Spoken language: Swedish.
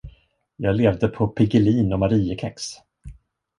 Jag levde på piggelin och mariekex.